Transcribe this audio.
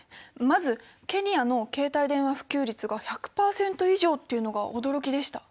まずケニアの携帯電話普及率が１００％以上っていうのが驚きでした。